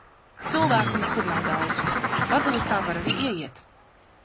Cilvēku nekur nav daudz. Bazilikā var arī ieiet.